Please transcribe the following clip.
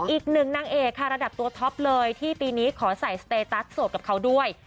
อีกหนึ่งนางเอกค่ะระดับตัวท็อปเลยที่ปีนี้ขอใส่สเตตัสโสดกับเขาด้วย